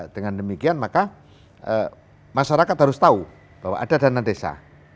dengan demikian maka masyarakat harus tahu bahwa ada dana desa